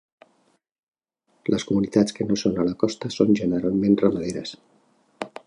Les comunitats que no estan situades a la costa són en general ramaderes.